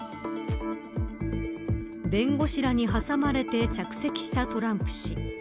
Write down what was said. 弁護士らに挟まれて着席したトランプ氏。